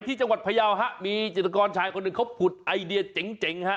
ที่จังหวัดพยาวฮะมีจิตกรชายคนหนึ่งเขาผุดไอเดียเจ๋งฮะ